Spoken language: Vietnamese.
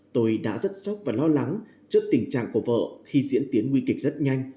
tôi đã rất sốc và lo lắng trước tình trạng của vợ khi diễn tiến nguy kịch rất nhanh